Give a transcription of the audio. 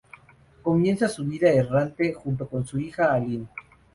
Comienza su vida errante junto con su hija Aline.